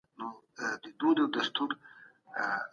هیڅوک باید د خپلي قومي ژبي په خاطر بې احترامي نه سي.